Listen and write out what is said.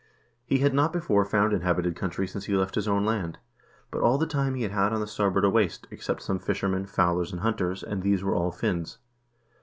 He had not before found inhabited country since he left his own land. But all the time he had had on the starboard a waste, except some fishermen, fowlers, and hunters, and these were all Finns.